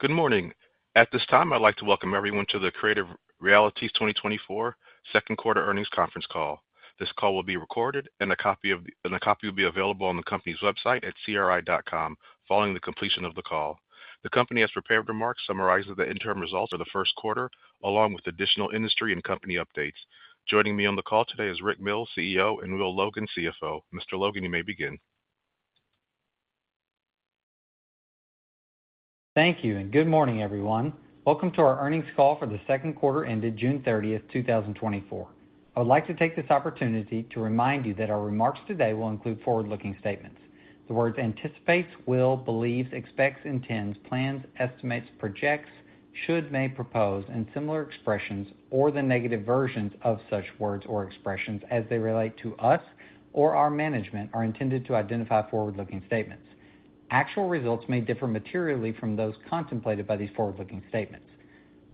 Good morning. At this time, I'd like to welcome everyone to the Creative Realities 2024 second quarter earnings conference call. This call will be recorded, and a copy will be available on the company's website at cri.com following the completion of the call. The company has prepared remarks summarizing the interim results for the first quarter, along with additional industry and company updates. Joining me on the call today is Rick Mills, CEO, and Will Logan, CFO. Mr. Logan, you may begin. Thank you, and good morning, everyone. Welcome to our earnings call for the second quarter ended June 30, 2024. I would like to take this opportunity to remind you that our remarks today will include forward-looking statements. The words anticipates, will, believes, expects, intends, plans, estimates, projects, should, may, propose, and similar expressions, or the negative versions of such words or expressions as they relate to us or our management, are intended to identify forward-looking statements. Actual results may differ materially from those contemplated by these forward-looking statements.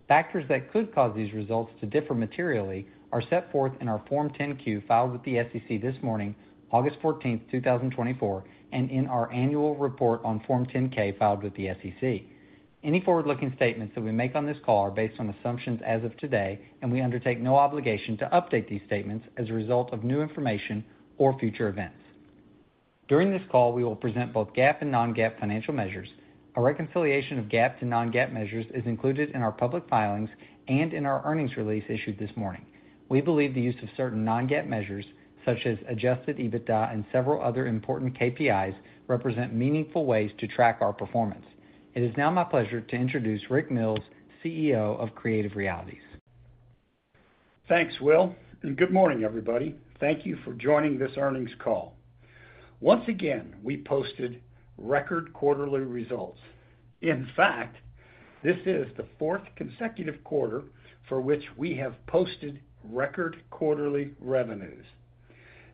Factors that could cause these results to differ materially are set forth in our Form 10-Q filed with the SEC this morning, August 14, 2024, and in our annual report on Form 10-K filed with the SEC. Any forward-looking statements that we make on this call are based on assumptions as of today, and we undertake no obligation to update these statements as a result of new information or future events. During this call, we will present both GAAP and non-GAAP financial measures. A reconciliation of GAAP to non-GAAP measures is included in our public filings and in our earnings release issued this morning. We believe the use of certain non-GAAP measures, such as adjusted EBITDA and several other important KPIs, represent meaningful ways to track our performance. It is now my pleasure to introduce Rick Mills, CEO of Creative Realities. Thanks, Will, and good morning, everybody. Thank you for joining this earnings call. Once again, we posted record quarterly results. In fact, this is the fourth consecutive quarter for which we have posted record quarterly revenues.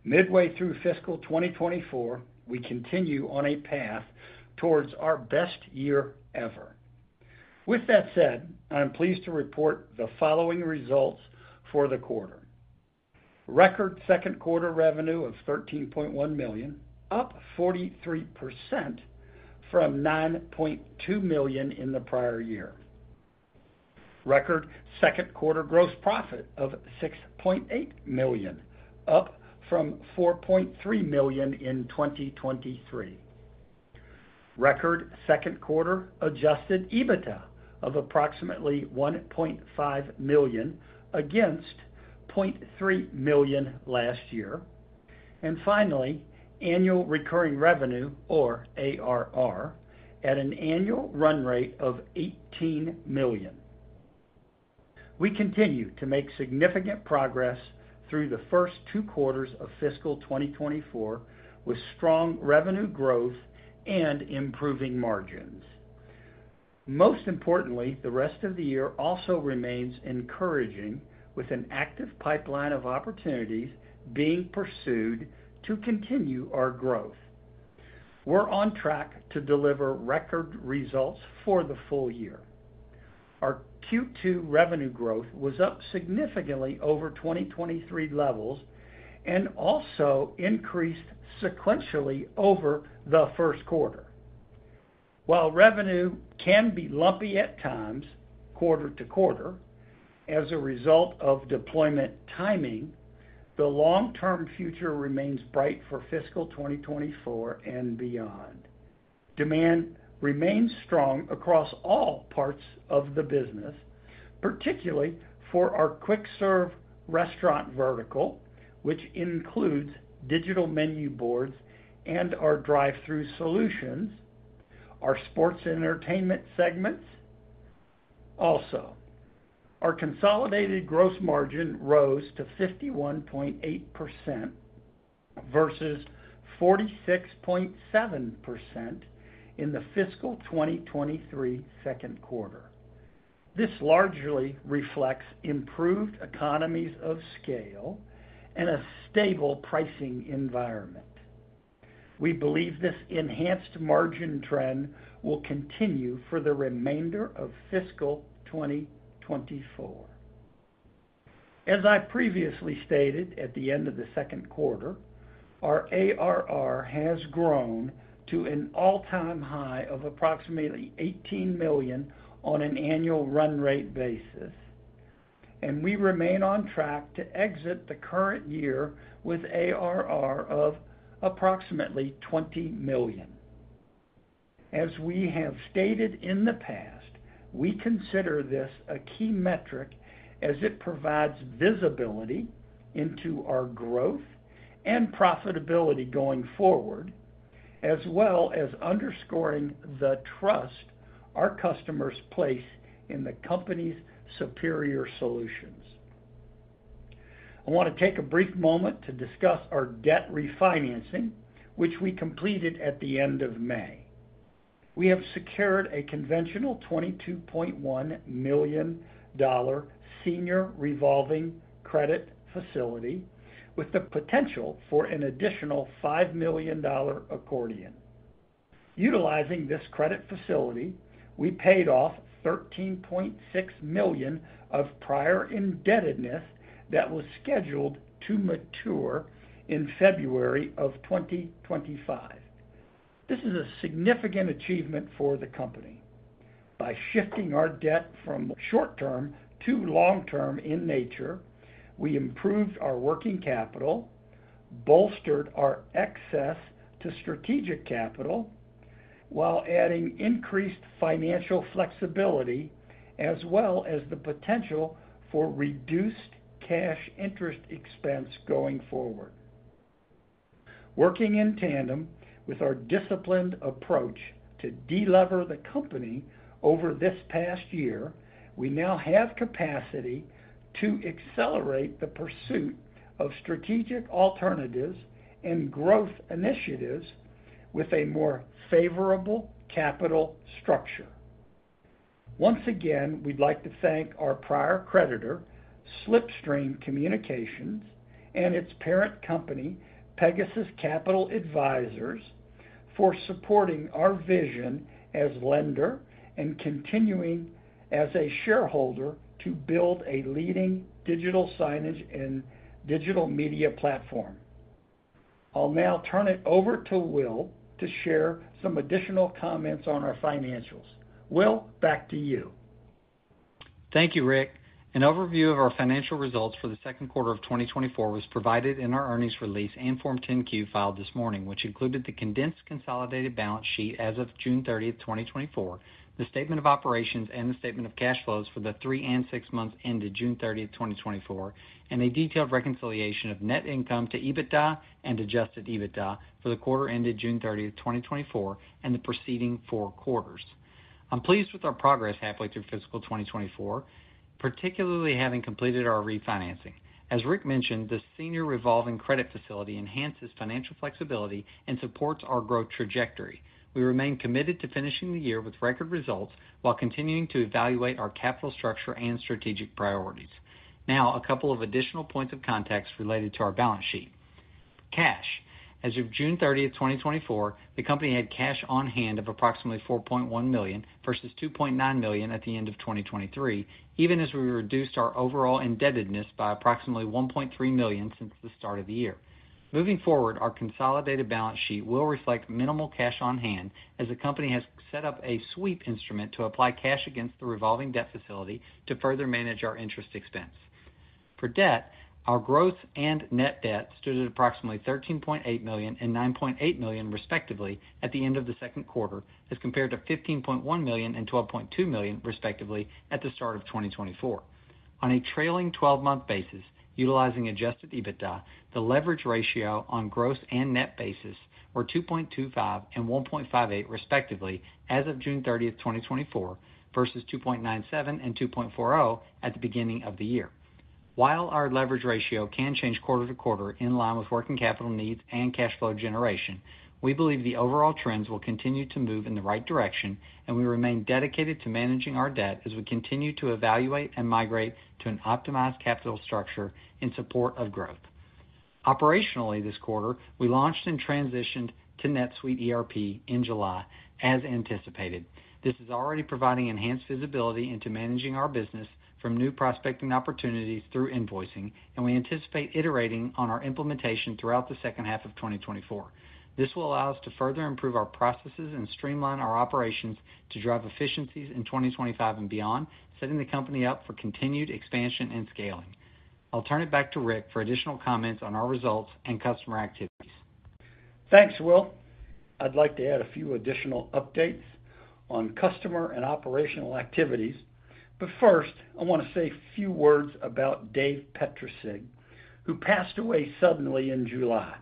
Midway through fiscal 2024, we continue on a path towards our best year ever. With that said, I'm pleased to report the following results for the quarter. Record second quarter revenue of $13.1 million, up 43% from $9.2 million in the prior year. Record second quarter gross profit of $6.8 million, up from $4.3 million in 2023. Record second quarter adjusted EBITDA of approximately $1.5 million, against $0.3 million last year. And finally, annual recurring revenue, or ARR, at an annual run rate of $18 million. We continue to make significant progress through the first 2 quarters of fiscal 2024, with strong revenue growth and improving margins. Most importantly, the rest of the year also remains encouraging, with an active pipeline of opportunities being pursued to continue our growth. We're on track to deliver record results for the full year. Our Q2 revenue growth was up significantly over 2023 levels and also increased sequentially over the first quarter. While revenue can be lumpy at times, quarter-to-quarter, as a result of deployment timing, the long-term future remains bright for fiscal 2024 and beyond. Demand remains strong across all parts of the business, particularly for our quick-serve restaurant vertical, which includes digital menu boards and our drive-thru solutions, our sports and entertainment segments. Also, our consolidated gross margin rose to 51.8% versus 46.7% in the fiscal 2023 second quarter. This largely reflects improved economies of scale and a stable pricing environment. We believe this enhanced margin trend will continue for the remainder of fiscal 2024. As I previously stated, at the end of the second quarter, our ARR has grown to an all-time high of approximately $18 million on an annual run rate basis, and we remain on track to exit the current year with ARR of approximately $20 million. As we have stated in the past, we consider this a key metric as it provides visibility into our growth and profitability going forward, as well as underscoring the trust our customers place in the company's superior solutions. I want to take a brief moment to discuss our debt refinancing, which we completed at the end of May. We have secured a conventional $22.1 million senior revolving credit facility with the potential for an additional $5 million accordion. Utilizing this credit facility, we paid off $13.6 million of prior indebtedness that was scheduled to mature in February of 2025. This is a significant achievement for the company. By shifting our debt from short-term to long-term in nature, we improved our working capital, bolstered our access to strategic capital, while adding increased financial flexibility, as well as the potential for reduced cash interest expense going forward. Working in tandem with our disciplined approach to de-lever the company over this past year, we now have capacity to accelerate the pursuit of strategic alternatives and growth initiatives with a more favorable capital structure. Once again, we'd like to thank our prior creditor, Slipstream Communications, and its parent company, Pegasus Capital Advisors, for supporting our vision as lender and continuing as a shareholder to build a leading digital signage and digital media platform. I'll now turn it over to Will to share some additional comments on our financials. Will, back to you. Thank you, Rick. An overview of our financial results for the second quarter of 2024 was provided in our earnings release and Form 10-Q filed this morning, which included the condensed consolidated balance sheet as of June 30, 2024, the statement of operations, and the statement of cash flows for the 3 and 6 months ended June 30, 2024, and a detailed reconciliation of net income to EBITDA and adjusted EBITDA for the quarter ended June 30, 2024, and the preceding 4 quarters. I'm pleased with our progress halfway through fiscal 2024, particularly having completed our refinancing. As Rick mentioned, the senior revolving credit facility enhances financial flexibility and supports our growth trajectory. We remain committed to finishing the year with record results while continuing to evaluate our capital structure and strategic priorities. Now, a couple of additional points of context related to our balance sheet. Cash. As of June 30, 2024, the company had cash on hand of approximately $4.1 million, versus $2.9 million at the end of 2023, even as we reduced our overall indebtedness by approximately $1.3 million since the start of the year. Moving forward, our consolidated balance sheet will reflect minimal cash on hand, as the company has set up a sweep instrument to apply cash against the revolving debt facility to further manage our interest expense. For debt, our gross and net debt stood at approximately $13.8 million and $9.8 million, respectively, at the end of the second quarter, as compared to $15.1 million and $12.2 million, respectively, at the start of 2024. On a trailing twelve-month basis, utilizing Adjusted EBITDA, the leverage ratio on gross and net basis were 2.25 and 1.58, respectively, as of June 30, 2024, versus 2.97 and 2.4 at the beginning of the year. While our leverage ratio can change quarter-to-quarter in line with working capital needs and cash flow generation, we believe the overall trends will continue to move in the right direction, and we remain dedicated to managing our debt as we continue to evaluate and migrate to an optimized capital structure in support of growth. Operationally, this quarter, we launched and transitioned to NetSuite ERP in July, as anticipated. This is already providing enhanced visibility into managing our business from new prospecting opportunities through invoicing, and we anticipate iterating on our implementation throughout the second half of 2024. This will allow us to further improve our processes and streamline our operations to drive efficiencies in 2025 and beyond, setting the company up for continued expansion and scaling. I'll turn it back to Rick for additional comments on our results and customer activities. Thanks, Will. I'd like to add a few additional updates on customer and operational activities, but first, I want to say a few words about Dave Petricig, who passed away suddenly in July.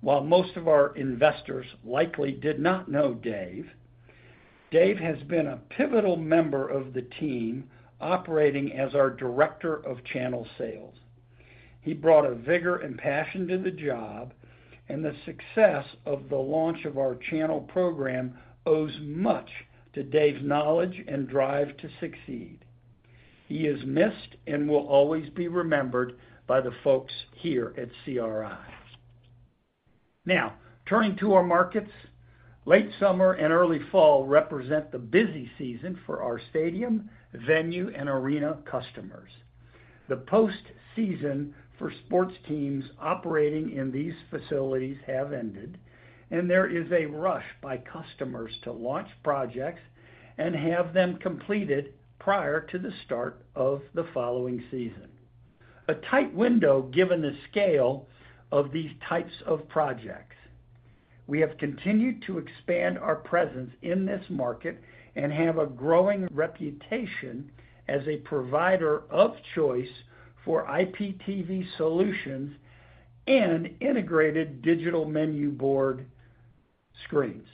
While most of our investors likely did not know Dave, Dave has been a pivotal member of the team, operating as our Director of Channel Sales. He brought a vigor and passion to the job, and the success of the launch of our channel program owes much to Dave's knowledge and drive to succeed. He is missed and will always be remembered by the folks here at CRI. Now, turning to our markets, late summer and early fall represent the busy season for our stadium, venue, and arena customers. The post-season for sports teams operating in these facilities have ended, and there is a rush by customers to launch projects and have them completed prior to the start of the following season. A tight window, given the scale of these types of projects. We have continued to expand our presence in this market and have a growing reputation as a provider of choice for IPTV solutions and integrated digital menu board screens,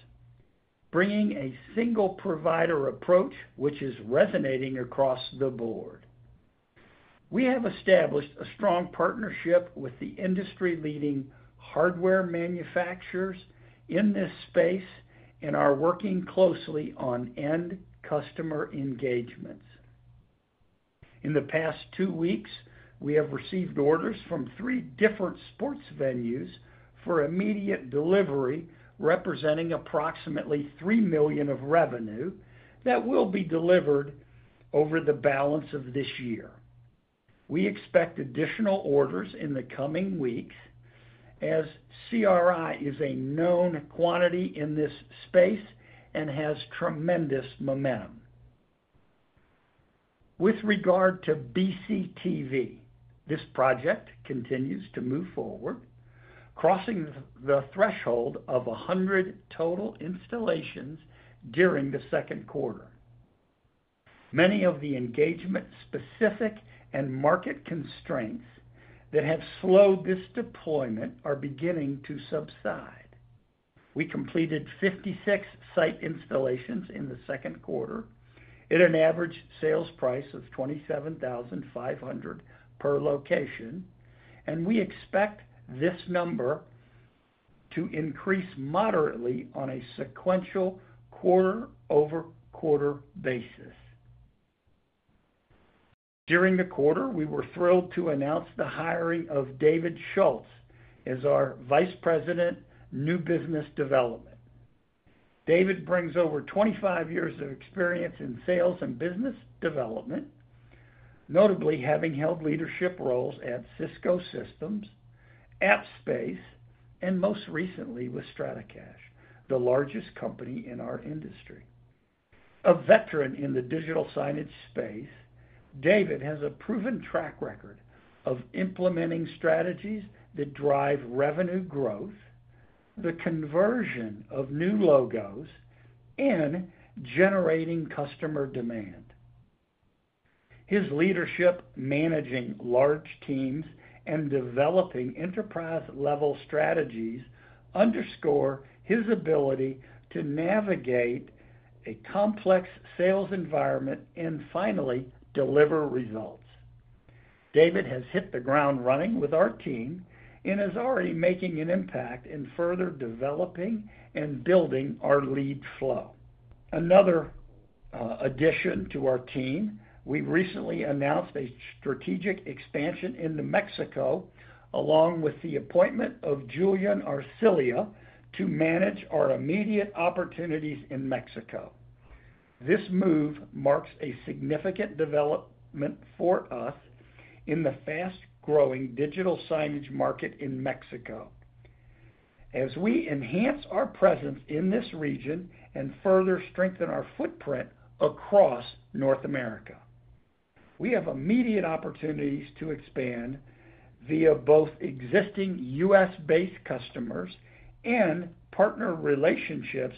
bringing a single provider approach which is resonating across the board. We have established a strong partnership with the industry-leading hardware manufacturers in this space and are working closely on end customer engagements. In the past two weeks, we have received orders from three different sports venues for immediate delivery, representing approximately $3 million of revenue that will be delivered over the balance of this year.... We expect additional orders in the coming weeks, as CRI is a known quantity in this space and has tremendous momentum. With regard to BCTV, this project continues to move forward, crossing the threshold of 100 total installations during the second quarter. Many of the engagement-specific and market constraints that have slowed this deployment are beginning to subside. We completed 56 site installations in the second quarter at an average sales price of $27,500 per location, and we expect this number to increase moderately on a sequential quarter-over-quarter basis. During the quarter, we were thrilled to announce the hiring of David Schultz as our Vice President, New Business Development. David brings over 25 years of experience in sales and business development, notably having held leadership roles at Cisco Systems, Appspace, and most recently with STRATACACHE, the largest company in our industry. A veteran in the digital signage space, David has a proven track record of implementing strategies that drive revenue growth, the conversion of new logos, and generating customer demand. His leadership, managing large teams and developing enterprise-level strategies underscore his ability to navigate a complex sales environment and finally deliver results. David has hit the ground running with our team and is already making an impact in further developing and building our lead flow. Another addition to our team. We recently announced a strategic expansion into Mexico, along with the appointment of Julian Arcila to manage our immediate opportunities in Mexico. This move marks a significant development for us in the fast-growing digital signage market in Mexico as we enhance our presence in this region and further strengthen our footprint across North America. We have immediate opportunities to expand via both existing U.S.-based customers and partner relationships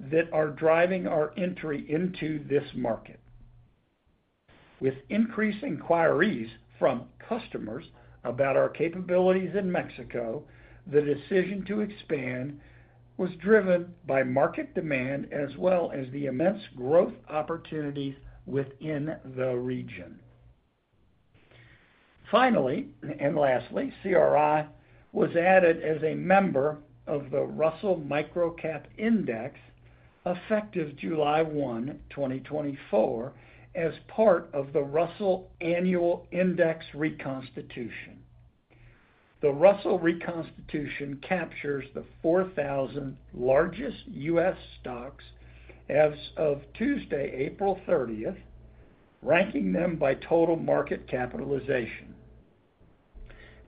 that are driving our entry into this market. With increased inquiries from customers about our capabilities in Mexico, the decision to expand was driven by market demand as well as the immense growth opportunities within the region. Finally, and lastly, CRI was added as a member of the Russell Microcap Index, effective July 1, 2024, as part of the Russell Annual Index Reconstitution. The Russell Reconstitution captures the 4,000 largest U.S. stocks as of Tuesday, April 30th, ranking them by total market capitalization.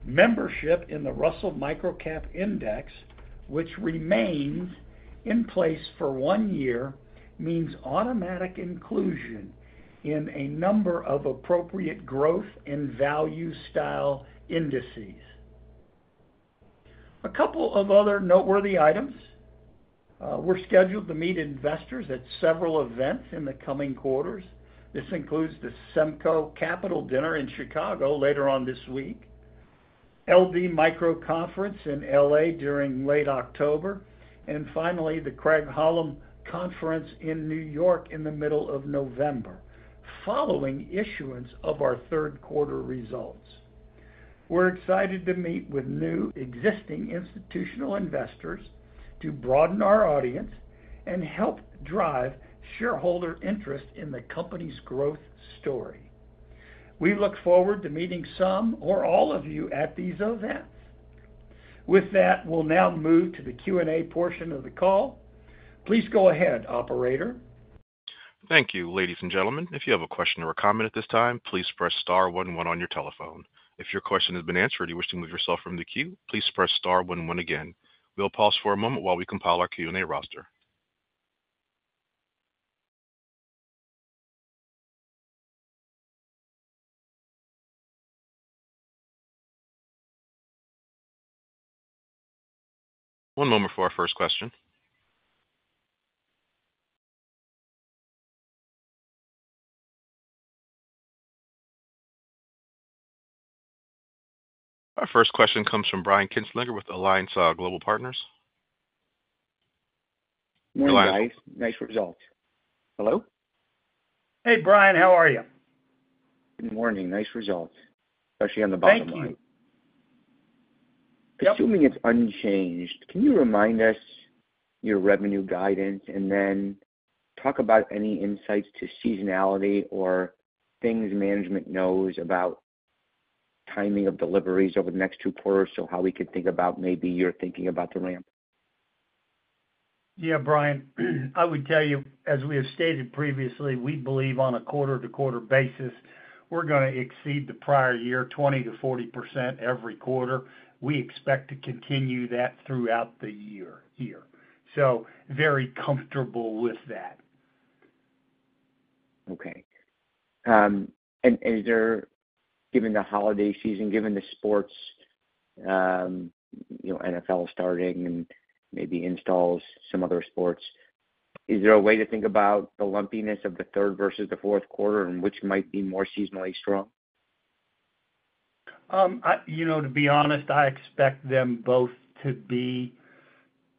Membership in the Russell Microcap Index, which remains in place for 1 year, means automatic inclusion in a number of appropriate growth and value style indices. A couple of other noteworthy items. We're scheduled to meet investors at several events in the coming quarters. This includes the Simco Capital Dinner in Chicago later on this week, LD Micro Conference in L.A. during late October, and finally, the Craig-Hallum Conference in New York in the middle of November, following issuance of our third quarter results. We're excited to meet with new existing institutional investors to broaden our audience and help drive shareholder interest in the company's growth story. We look forward to meeting some or all of you at these events. With that, we'll now move to the Q&A portion of the call. Please go ahead, operator. Thank you. Ladies and gentlemen, if you have a question or a comment at this time, please press star one one on your telephone. If your question has been answered and you wish to move yourself from the queue, please press star one one again. We'll pause for a moment while we compile our Q&A roster. One moment for our first question. Our first question comes from Brian Kinstlinger with Alliance Global Partners. Good morning, guys. Nice results. Hello? Hey, Brian, how are you? Good morning. Nice results, especially on the bottom line. Thank you. Assuming it's unchanged, can you remind us your revenue guidance and then talk about any insights to seasonality or things management knows about timing of deliveries over the next two quarters, so how we could think about maybe you're thinking about the ramp?... Yeah, Brian, I would tell you, as we have stated previously, we believe on a quarter-to-quarter basis, we're gonna exceed the prior year, 20%-40% every quarter. We expect to continue that throughout the year here. So very comfortable with that. Okay. Is there, given the holiday season, given the sports, you know, NFL starting and maybe installs some other sports, a way to think about the lumpiness of the third versus the fourth quarter, and which might be more seasonally strong? You know, to be honest, I expect them both to be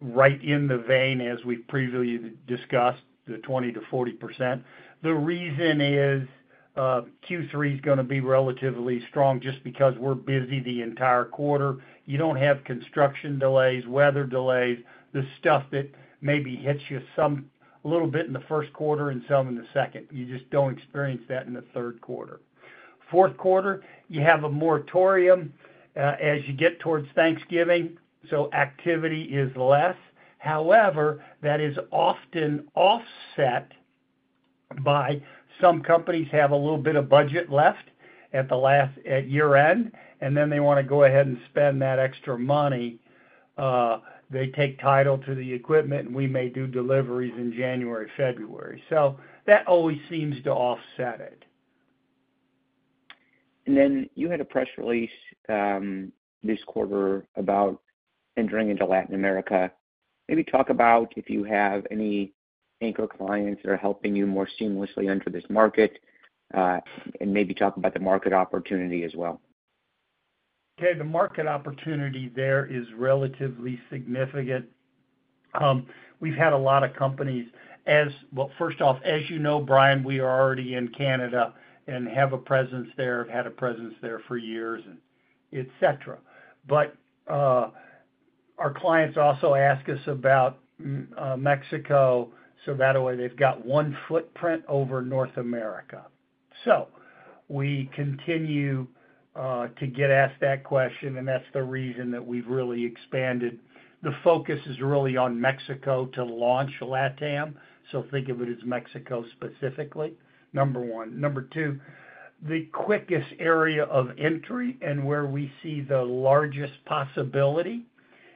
right in the vein as we've previously discussed, the 20%-40%. The reason is, Q3 is gonna be relatively strong just because we're busy the entire quarter. You don't have construction delays, weather delays, the stuff that maybe hits you some, a little bit in the first quarter and some in the second. You just don't experience that in the third quarter. Fourth quarter, you have a moratorium, as you get towards Thanksgiving, so activity is less. However, that is often offset by some companies have a little bit of budget left at the last, at year-end, and then they want to go ahead and spend that extra money. They take title to the equipment, and we may do deliveries in January, February. So that always seems to offset it. Then you had a press release, this quarter about entering into Latin America. Maybe talk about if you have any anchor clients that are helping you more seamlessly enter this market, and maybe talk about the market opportunity as well. Okay, the market opportunity there is relatively significant. We've had a lot of companies. Well, first off, as you know, Brian, we are already in Canada and have a presence there, have had a presence there for years, et cetera. But our clients also ask us about Mexico, so that way, they've got one footprint over North America. So we continue to get asked that question, and that's the reason that we've really expanded. The focus is really on Mexico to launch LATAM, so think of it as Mexico specifically, number one. Number two, the quickest area of entry and where we see the largest possibility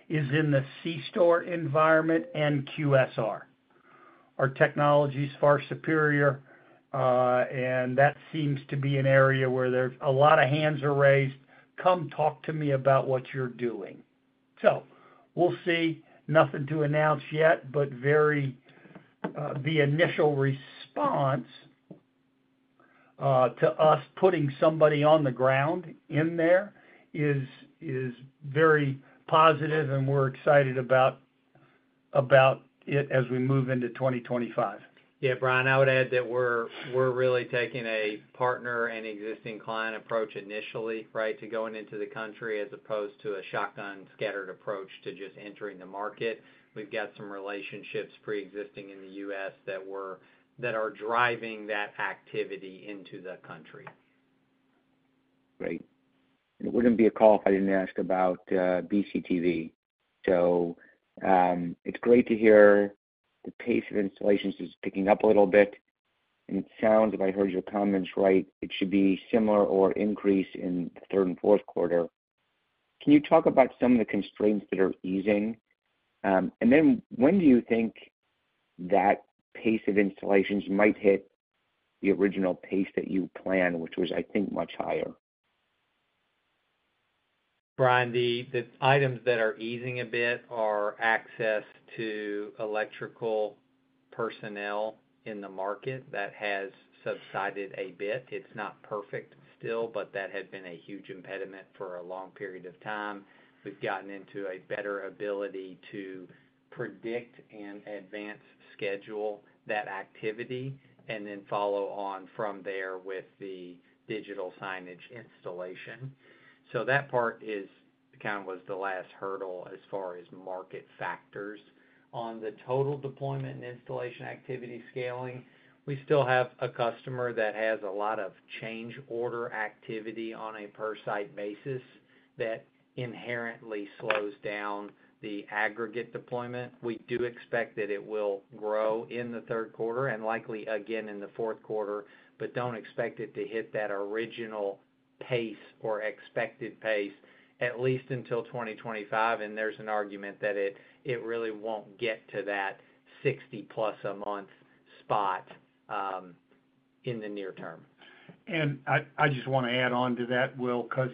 is in the C-store environment and QSR. Our technology is far superior, and that seems to be an area where there's a lot of hands are raised, "Come talk to me about what you're doing." So we'll see. Nothing to announce yet, but very, the initial response to us putting somebody on the ground in there is very positive, and we're excited about it as we move into 2025. Yeah, Brian, I would add that we're really taking a partner and existing client approach initially, right, to going into the country, as opposed to a shotgun scattered approach to just entering the market. We've got some relationships preexisting in the U.S. that are driving that activity into the country. Great. It wouldn't be a call if I didn't ask about, BCTV. So, it's great to hear the pace of installations is picking up a little bit, and it sounds, if I heard your comments right, it should be similar or increase in the third and fourth quarter. Can you talk about some of the constraints that are easing? And then when do you think that pace of installations might hit the original pace that you planned, which was, I think, much higher? Brian, the items that are easing a bit are access to electrical personnel in the market. That has subsided a bit. It's not perfect still, but that had been a huge impediment for a long period of time. We've gotten into a better ability to predict and advance schedule that activity, and then follow on from there with the digital signage installation. So that part is, kind of, was the last hurdle as far as market factors. On the total deployment and installation activity scaling, we still have a customer that has a lot of change order activity on a per-site basis that inherently slows down the aggregate deployment. We do expect that it will grow in the third quarter and likely again in the fourth quarter, but don't expect it to hit that original pace or expected pace, at least until 2025, and there's an argument that it, it really won't get to that 60+ a month spot in the near term. I just want to add on to that, Will, because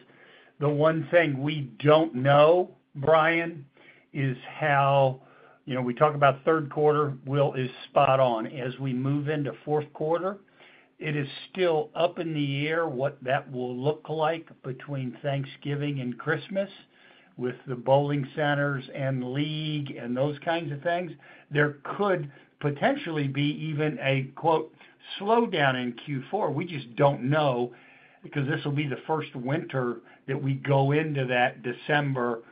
the one thing we don't know, Brian, is how... You know, we talk about third quarter, Will, is spot on. As we move into fourth quarter, it is still up in the air what that will look like between Thanksgiving and Christmas, with the bowling centers and league and those kinds of things. There could potentially be even a, “slowdown” in Q4. We just don't know, because this will be the first winter that we go into that December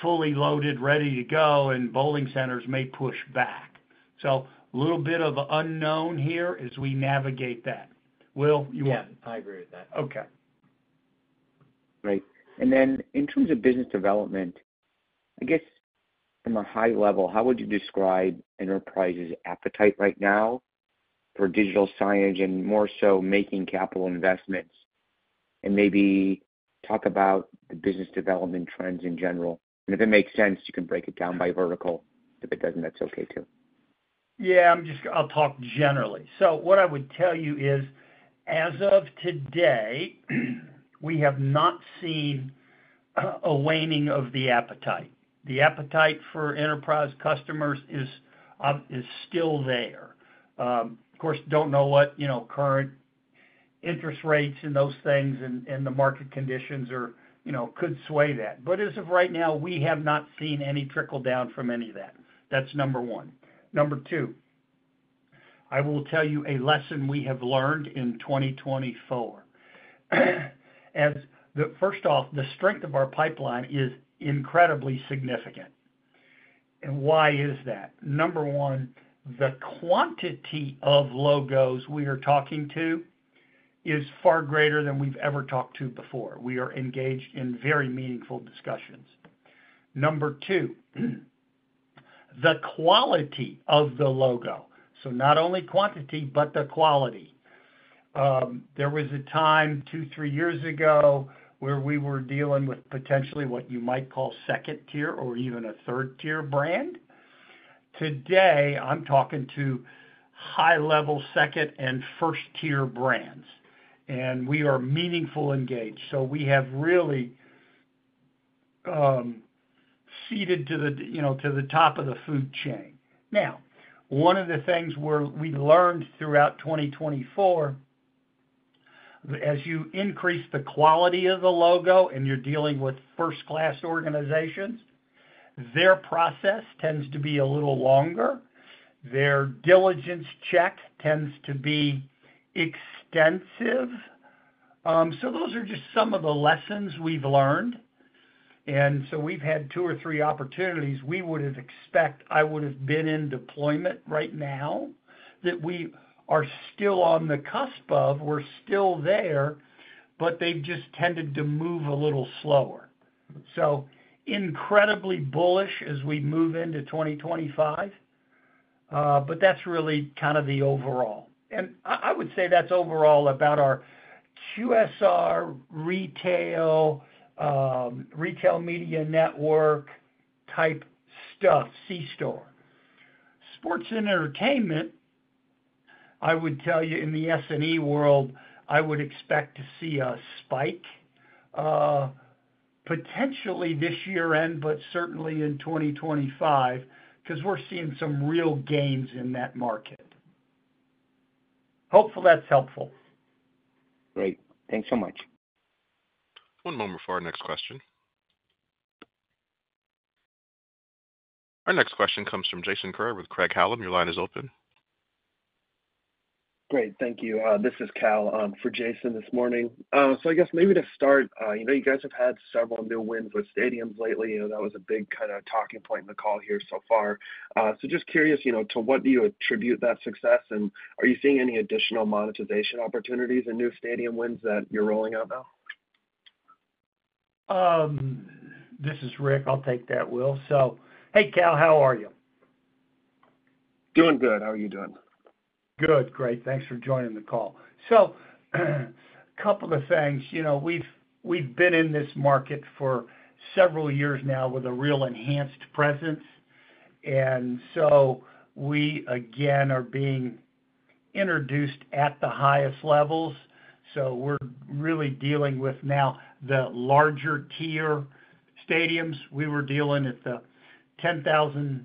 fully loaded, ready to go, and bowling centers may push back. So a little bit of unknown here as we navigate that. Will, you want- Yeah, I agree with that. Okay.... Right. In terms of business development, I guess from a high level, how would you describe enterprise's appetite right now for digital signage and more so making capital investments? Maybe talk about the business development trends in general, and if it makes sense, you can break it down by vertical. If it doesn't, that's okay too. Yeah, I'm just. I'll talk generally. So what I would tell you is, as of today, we have not seen a waning of the appetite. The appetite for enterprise customers is still there. Of course, don't know what, you know, current interest rates and those things and the market conditions are, you know, could sway that. But as of right now, we have not seen any trickle down from any of that. That's number one. Number two, I will tell you a lesson we have learned in 2024. As the. First off, the strength of our pipeline is incredibly significant. And why is that? Number one, the quantity of logos we are talking to is far greater than we've ever talked to before. We are engaged in very meaningful discussions. Number two, the quality of the logo, so not only quantity, but the quality. There was a time, 2 or 3 years ago, where we were dealing with potentially what you might call second tier or even a third-tier brand. Today, I'm talking to high-level, second and first-tier brands, and we are meaningful engaged. So we have really, seeded to the, you know, to the top of the food chain. Now, one of the things we learned throughout 2024, as you increase the quality of the logo and you're dealing with first-class organizations, their process tends to be a little longer. Their diligence check tends to be extensive. So those are just some of the lessons we've learned, and so we've had 2 or 3 opportunities we would have expect I would have been in deployment right now, that we are still on the cusp of, we're still there, but they've just tended to move a little slower. So incredibly bullish as we move into 2025, but that's really kind of the overall. And I would say that's overall about our QSR retail, retail media network type stuff, C-store. Sports and entertainment, I would tell you in the S&E world, I would expect to see a spike, potentially this year end, but certainly in 2025, 'cause we're seeing some real gains in that market. Hopefully that's helpful. Great. Thanks so much. One moment for our next question. Our next question comes from Jason Kreyer with Craig-Hallum. Your line is open. Great, thank you. This is Cal for Jason this morning. So I guess maybe to start, you know, you guys have had several new wins with stadiums lately, and that was a big kind of talking point in the call here so far. So just curious, you know, to what do you attribute that success, and are you seeing any additional monetization opportunities and new stadium wins that you're rolling out now? This is Rick. I'll take that, Will. So, hey, Cal, how are you? Doing good. How are you doing? Good. Great. Thanks for joining the call. So a couple of things. You know, we've, we've been in this market for several years now with a real enhanced presence, and so we, again, are being introduced at the highest levels. So we're really dealing with now the larger tier stadiums. We were dealing at the 10,000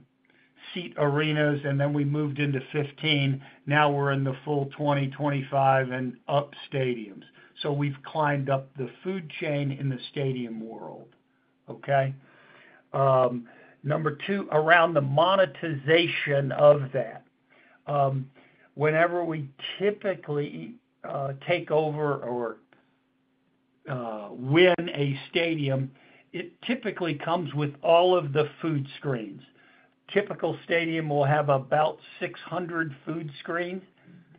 seat arenas, and then we moved into 15, now we're in the full 20, 25 and up stadiums. So we've climbed up the food chain in the stadium world, okay? Number two, around the monetization of that, whenever we typically take over or win a stadium, it typically comes with all of the food screens. Typical stadium will have about 600 food screens.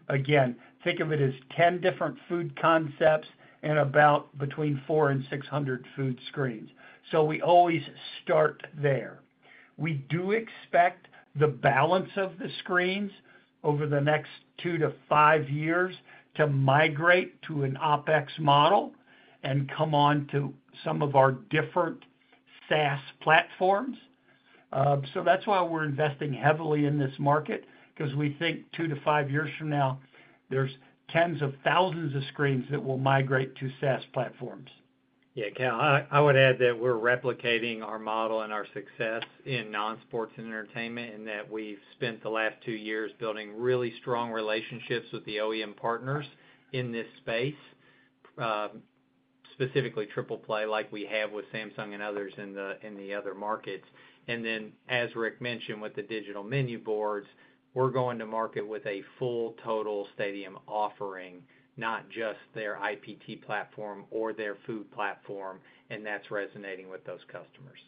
Again, think of it as 10 different food concepts and about between 400 and 600 food screens. So we always start there. We do expect the balance of the screens over the next 2-5 years to migrate to an OpEx model and come on to some of our different SaaS platforms. So that's why we're investing heavily in this market, 'cause we think 2-5 years from now, there's tens of thousands of screens that will migrate to SaaS platforms. Yeah, Cal, I would add that we're replicating our model and our success in non-sports and entertainment, and that we've spent the last two years building really strong relationships with the OEM partners in this space, specifically Tripleplay, like we have with Samsung and others in the, in the other markets. And then, as Rick mentioned, with the digital menu boards, we're going to market with a full total stadium offering, not just their IPT platform or their food platform, and that's resonating with those customers.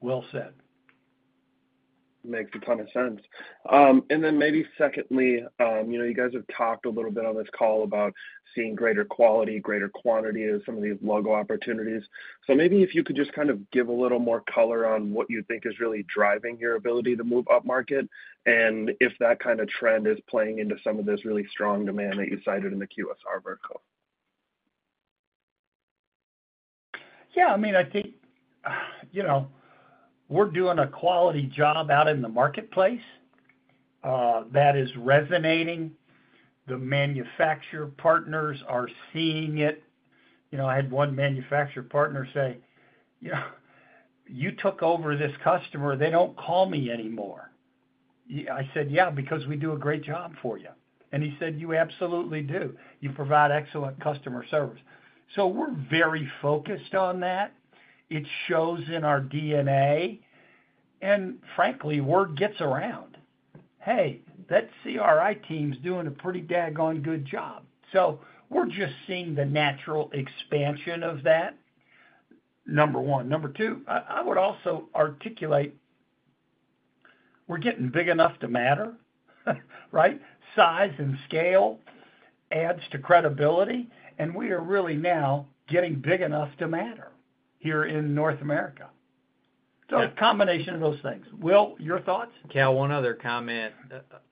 Well said. ... Makes a ton of sense. And then maybe secondly, you know, you guys have talked a little bit on this call about seeing greater quality, greater quantity in some of these logo opportunities. So maybe if you could just kind of give a little more color on what you think is really driving your ability to move upmarket, and if that kind of trend is playing into some of this really strong demand that you cited in the QSR vertical? Yeah, I mean, I think, you know, we're doing a quality job out in the marketplace, that is resonating. The manufacturer partners are seeing it. You know, I had one manufacturer partner say, "You know, you took over this customer, they don't call me anymore." I said, "Yeah, because we do a great job for you." And he said, "You absolutely do. You provide excellent customer service." So we're very focused on that. It shows in our DNA, and frankly, word gets around. Hey, that CRI team's doing a pretty daggone good job. So we're just seeing the natural expansion of that, number one. Number two, I, I would also articulate, we're getting big enough to matter, right? Size and scale adds to credibility, and we are really now getting big enough to matter here in North America. So a combination of those things. Will, your thoughts? Cal, one other comment.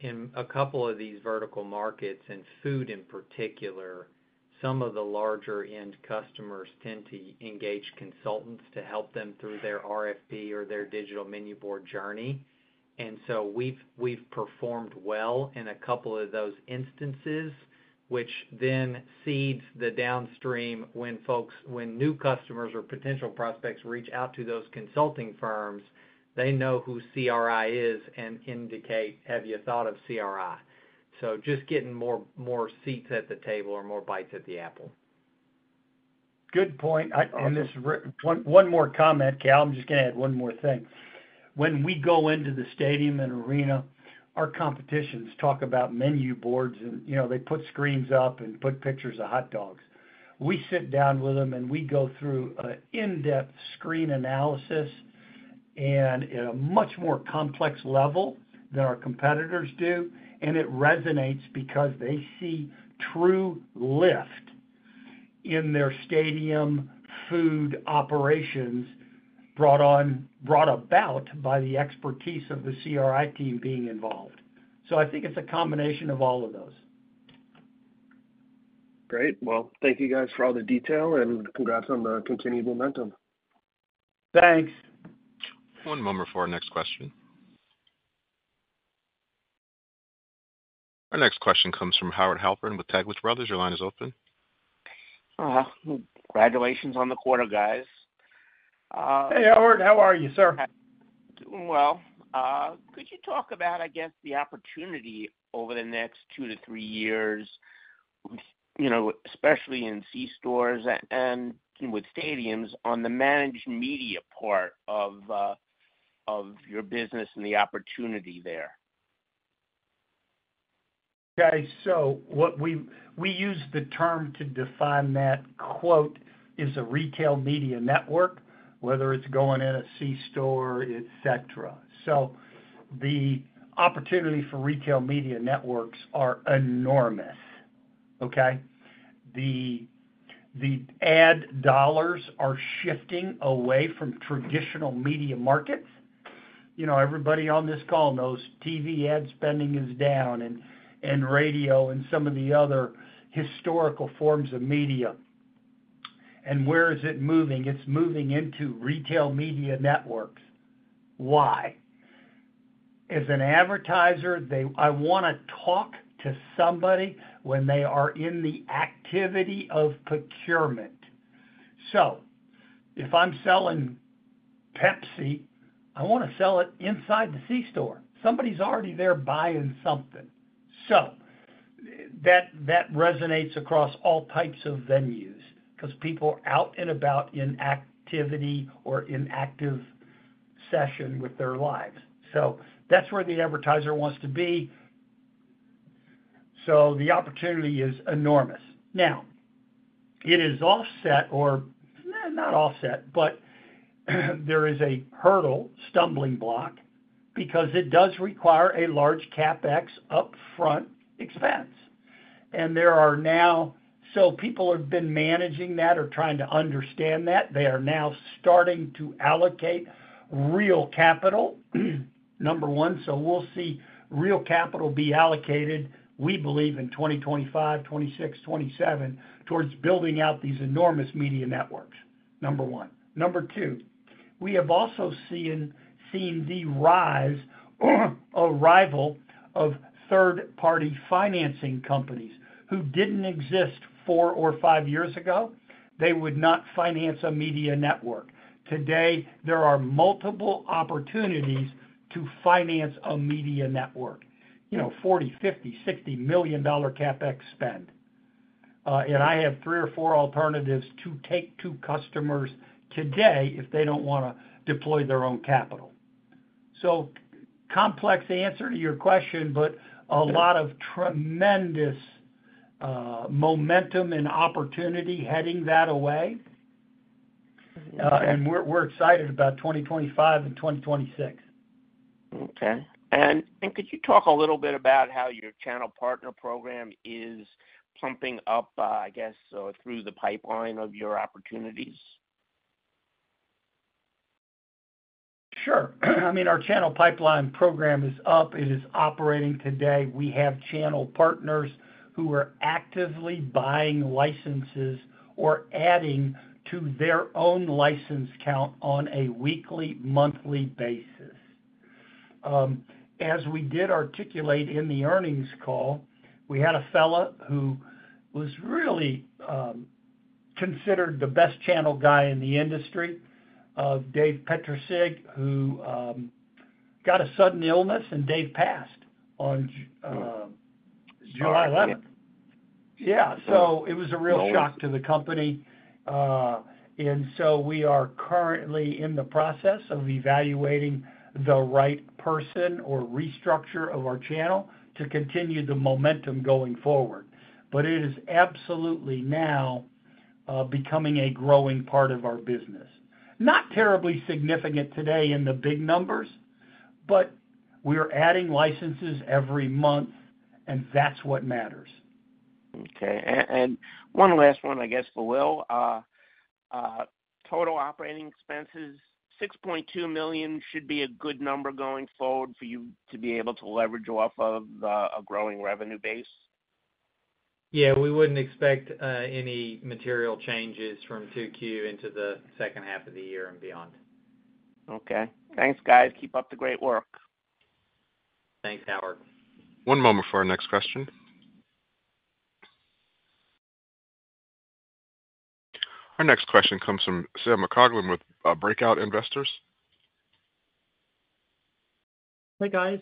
In a couple of these vertical markets, in food, in particular, some of the larger end customers tend to engage consultants to help them through their RFP or their digital menu board journey. And so we've performed well in a couple of those instances, which then seeds the downstream when folks, when new customers or potential prospects reach out to those consulting firms, they know who CRI is and indicate, "Have you thought of CRI?" So just getting more seats at the table or more bites at the apple. Good point. One more comment, Cal. I'm just gonna add one more thing. When we go into the stadium and arena, our competitors talk about menu boards, and, you know, they put screens up and put pictures of hot dogs. We sit down with them, and we go through an in-depth screen analysis and at a much more complex level than our competitors do, and it resonates because they see true lift in their stadium food operations, brought about by the expertise of the CRI team being involved. So I think it's a combination of all of those. Great. Well, thank you guys for all the detail, and congrats on the continued momentum. Thanks. One moment for our next question. Our next question comes from Howard Halpern with Taglich Brothers. Your line is open. Congratulations on the quarter, guys. Hey, Howard. How are you, sir? Doing well. Could you talk about, I guess, the opportunity over the next 2-3 years, you know, especially in C-stores and with stadiums, on the managed media part of your business and the opportunity there? Okay, so we use the term to define that, quote, "is a retail media network," whether it's going in a C-store, et cetera. So the opportunity for retail media networks are enormous, okay? The ad dollars are shifting away from traditional media markets. You know, everybody on this call knows TV ad spending is down and radio and some of the other historical forms of media. And where is it moving? It's moving into retail media networks. Why? As an advertiser, I wanna talk to somebody when they are in the activity of procurement. So if I'm selling Pepsi, I wanna sell it inside the C-store. Somebody's already there buying something. So that resonates across all types of venues because people are out and about in activity or in active session with their lives. So that's where the advertiser wants to be. So the opportunity is enormous. Now, it is offset or, not offset, but there is a hurdle, stumbling block, because it does require a large CapEx upfront expense. And there are now. So people have been managing that or trying to understand that. They are now starting to allocate real capital, number one, so we'll see real capital be allocated, we believe, in 2025, 2026, 2027, towards building out these enormous media networks, number one. Number two, we have also seen the rise, arrival of third-party financing companies who didn't exist 4 or 5 years ago. They would not finance a media network. Today, there are multiple opportunities to finance a media network. You know, $40 million, $50 million, $60 million CapEx spend. And I have 3 or 4 alternatives to take to customers today if they don't wanna deploy their own capital. So, complex answer to your question, but a lot of tremendous momentum and opportunity heading that away. And we're excited about 2025 and 2026. Okay. And could you talk a little bit about how your channel partner program is pumping up, I guess, through the pipeline of your opportunities? Sure. I mean, our channel pipeline program is up, it is operating today. We have channel partners who are actively buying licenses or adding to their own license count on a weekly, monthly basis. As we did articulate in the earnings call, we had a fella who was really considered the best channel guy in the industry, Dave Petricig, who got a sudden illness, and Dave passed on July 11th. Sorry to hear. Yeah, so it was a real shock- Always... to the company. And so we are currently in the process of evaluating the right person or restructure of our channel to continue the momentum going forward. But it is absolutely now becoming a growing part of our business. Not terribly significant today in the big numbers, but we are adding licenses every month, and that's what matters. Okay, and one last one, I guess, for Will. Total operating expenses $6.2 million should be a good number going forward for you to be able to leverage off of a growing revenue base? Yeah, we wouldn't expect any material changes from 2Q into the second half of the year and beyond. Okay. Thanks, guys. Keep up the great work. Thanks, Howard. One moment for our next question. Our next question comes from Sam McLoughlin with Breakout Investors. Hi, guys,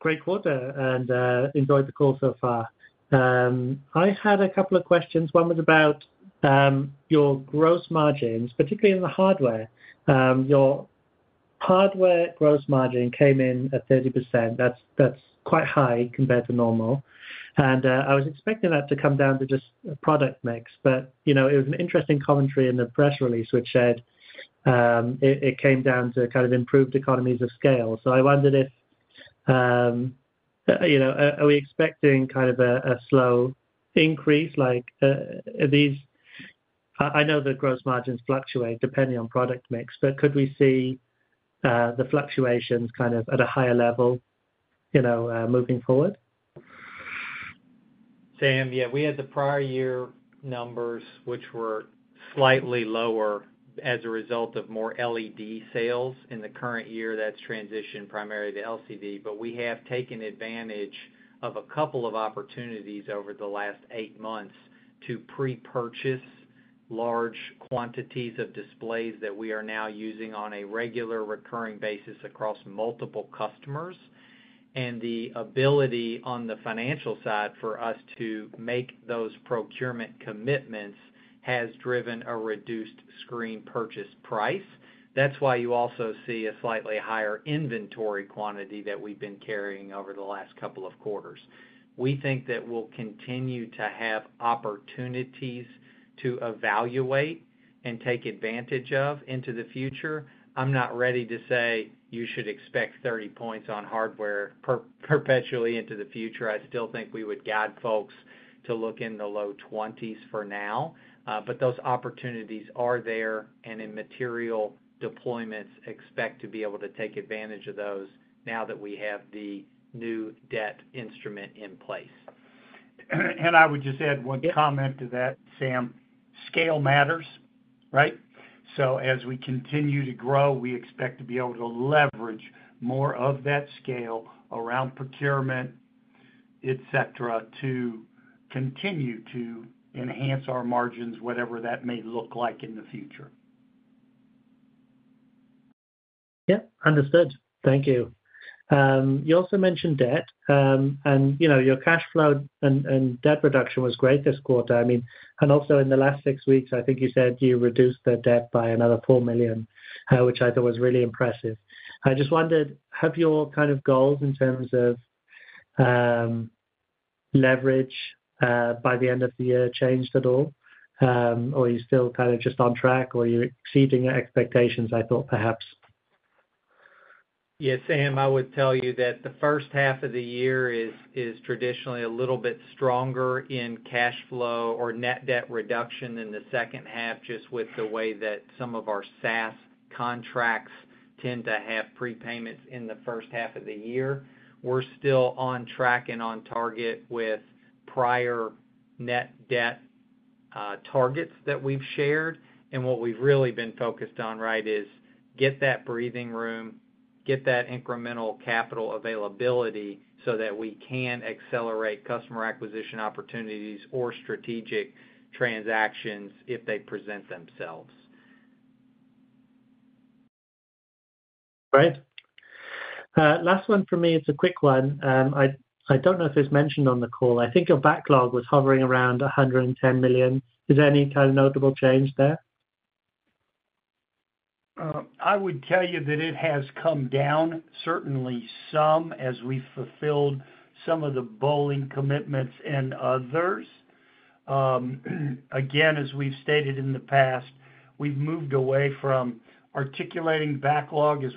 great quarter and enjoyed the call so far. I had a couple of questions. One was about, your gross margins, particularly in the hardware. Your hardware gross margin came in at 30%. That's quite high compared to normal, and I was expecting that to come down to just product mix. But, you know, it was an interesting commentary in the press release, which said, it came down to kind of improved economies of scale. So I wondered if, you know, are we expecting kind of a slow increase, like, I know the gross margins fluctuate depending on product mix, but could we see, the fluctuations kind of at a higher level, you know, moving forward? Sam, yeah, we had the prior year numbers, which were slightly lower as a result of more LED sales. In the current year, that's transitioned primarily to LCD, but we have taken advantage of a couple of opportunities over the last 8 months to pre-purchase large quantities of displays that we are now using on a regular, recurring basis across multiple customers. And the ability on the financial side for us to make those procurement commitments has driven a reduced screen purchase price. That's why you also see a slightly higher inventory quantity that we've been carrying over the last couple of quarters. We think that we'll continue to have opportunities to evaluate and take advantage of into the future. I'm not ready to say you should expect 30 points on hardware perpetually into the future. I still think we would guide folks to look in the low 20s for now. But those opportunities are there, and in material deployments, expect to be able to take advantage of those now that we have the new debt instrument in place. I would just add one comment. Yep... to that, Sam. Scale matters, right? So as we continue to grow, we expect to be able to leverage more of that scale around procurement, et cetera, to continue to enhance our margins, whatever that may look like in the future. Yeah, understood. Thank you. You also mentioned debt, and, you know, your cash flow and debt reduction was great this quarter. I mean, and also in the last six weeks, I think you said you reduced the debt by another $4 million, which I thought was really impressive. I just wondered, have your kind of goals in terms of leverage by the end of the year changed at all? Or are you still kind of just on track, or are you exceeding your expectations, I thought perhaps? Yeah, Sam, I would tell you that the first half of the year is traditionally a little bit stronger in cash flow or net debt reduction than the second half, just with the way that some of our SaaS contracts tend to have prepayments in the first half of the year. We're still on track and on target with prior net debt targets that we've shared, and what we've really been focused on, right, is get that breathing room, get that incremental capital availability so that we can accelerate customer acquisition opportunities or strategic transactions if they present themselves. Great. Last one for me, it's a quick one. I don't know if it's mentioned on the call. I think your backlog was hovering around $110 million. Is there any kind of notable change there? ... I would tell you that it has come down certainly some as we fulfilled some of the bowling commitments and others. Again, as we've stated in the past, we've moved away from articulating backlog as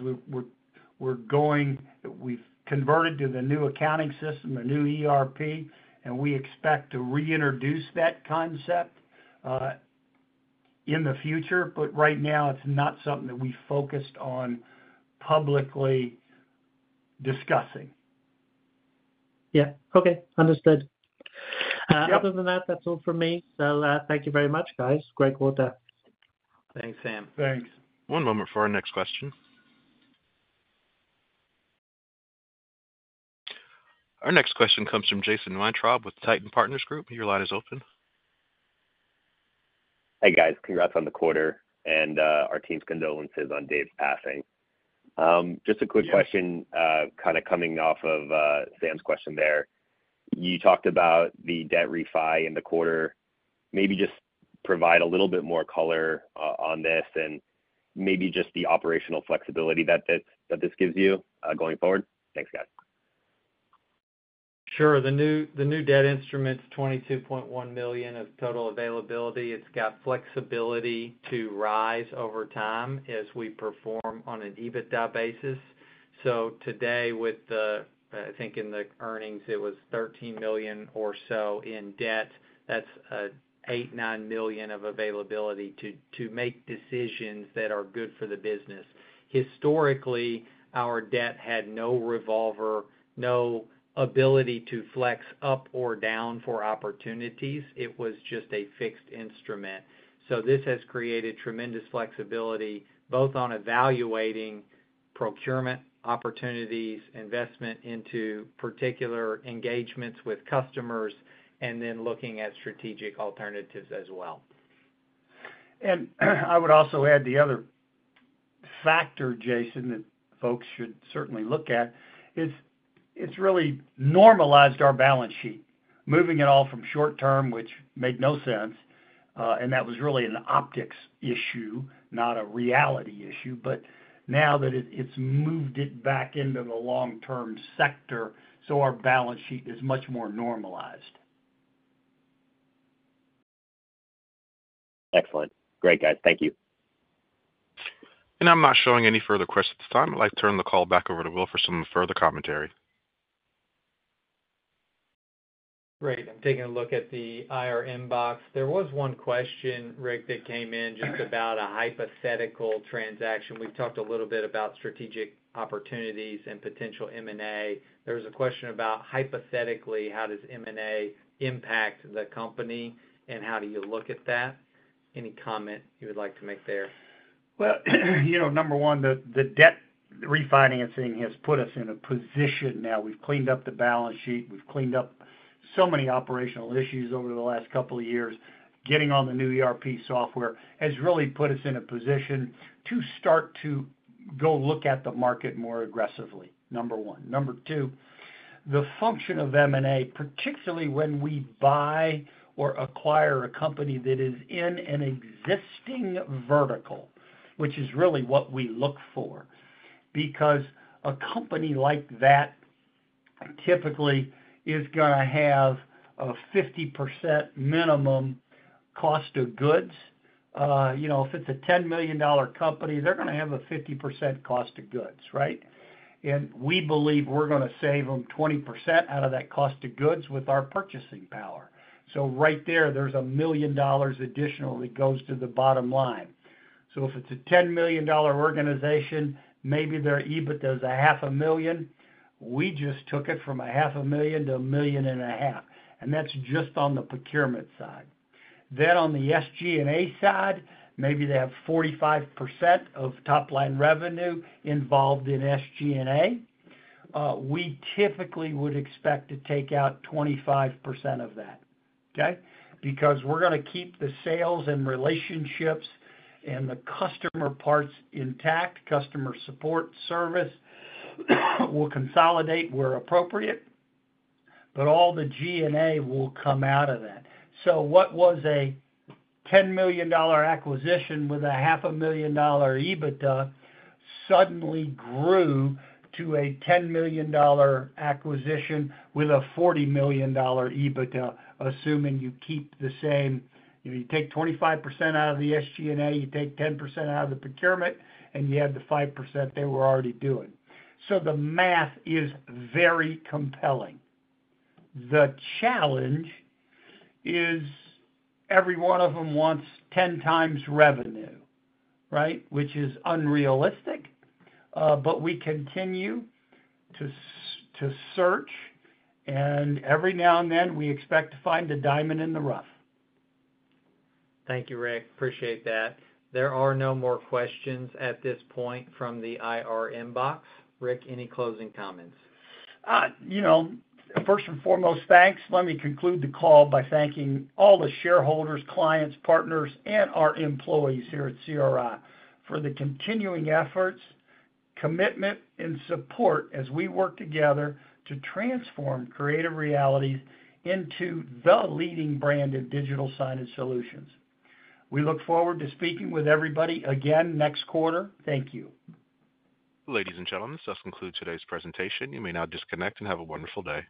we're going. We've converted to the new accounting system, the new ERP, and we expect to reintroduce that concept in the future, but right now, it's not something that we focused on publicly discussing. Yeah. Okay, understood. Yep. Other than that, that's all for me. So, thank you very much, guys. Great quarter. Thanks, Sam. Thanks. One moment for our next question. Our next question comes from Jason Weintraub with Titan Partners Group. Your line is open. Hey, guys. Congrats on the quarter, and our team's condolences on Dave's passing. Just a quick question- Yeah. Kind of coming off of Sam's question there. You talked about the debt refi in the quarter. Maybe just provide a little bit more color on this and maybe just the operational flexibility that this gives you going forward. Thanks, guys. Sure. The new debt instrument is $22.1 million of total availability. It's got flexibility to rise over time as we perform on an EBITDA basis. So today, with the, I think in the earnings, it was $13 million or so in debt, that's $8-$9 million of availability to make decisions that are good for the business. Historically, our debt had no revolver, no ability to flex up or down for opportunities. It was just a fixed instrument. So this has created tremendous flexibility, both on evaluating procurement opportunities, investment into particular engagements with customers, and then looking at strategic alternatives as well. I would also add the other factor, Jason, that folks should certainly look at, is it's really normalized our balance sheet, moving it all from short term, which made no sense, and that was really an optics issue, not a reality issue. But now that it's moved it back into the long-term sector, so our balance sheet is much more normalized. Excellent. Great, guys. Thank you. I'm not showing any further questions at this time. I'd like to turn the call back over to Will for some further commentary. Great. I'm taking a look at the IR inbox. There was one question, Rick, that came in just about a hypothetical transaction. We've talked a little bit about strategic opportunities and potential M&A. There was a question about, hypothetically, how does M&A impact the company, and how do you look at that? Any comment you would like to make there? Well, you know, number one, the debt refinancing has put us in a position now. We've cleaned up the balance sheet, we've cleaned up so many operational issues over the last couple of years. Getting on the new ERP software has really put us in a position to start to go look at the market more aggressively, number one. Number two, the function of M&A, particularly when we buy or acquire a company that is in an existing vertical, which is really what we look for, because a company like that typically is gonna have a 50% minimum cost of goods. You know, if it's a $10 million company, they're gonna have a 50% cost of goods, right? And we believe we're gonna save them 20% out of that cost of goods with our purchasing power. So right there, there's $1 million additionally goes to the bottom line. So if it's a $10 million organization, maybe their EBITDA is $500,000. We just took it from $500,000 to $1.5 million, and that's just on the procurement side. Then, on the SG&A side, maybe they have 45% of top-line revenue involved in SG&A. We typically would expect to take out 25% of that, okay? Because we're gonna keep the sales and relationships and the customer parts intact. Customer support service, we'll consolidate where appropriate, but all the G&A will come out of that. So what was a $10 million acquisition with a $500,000 EBITDA, suddenly grew to a $10 million acquisition with a $40 million EBITDA, assuming you keep the same... If you take 25% out of the SG&A, you take 10% out of the procurement, and you add the 5% they were already doing. So the math is very compelling. The challenge is every one of them wants 10x revenue, right? Which is unrealistic, but we continue to search, and every now and then, we expect to find the diamond in the rough. Thank you, Rick. Appreciate that. There are no more questions at this point from the IR inbox. Rick, any closing comments? You know, first and foremost, thanks. Let me conclude the call by thanking all the shareholders, clients, partners, and our employees here at CRI for the continuing efforts, commitment, and support as we work together to transform Creative Realities into the leading brand in digital signage solutions. We look forward to speaking with everybody again next quarter. Thank you. Ladies and gentlemen, this concludes today's presentation. You may now disconnect and have a wonderful day.